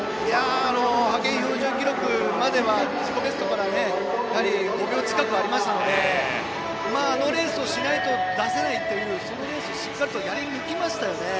派遣標準記録までは自己ベストから５秒近くありましたのであのレースをしないと出せないという、そのレースをしっかりとやり抜きましたね。